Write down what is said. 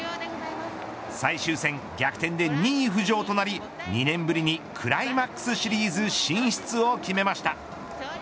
最終戦、逆転で２位浮上となり２年ぶりにクライマックスシリーズ進出を決めました。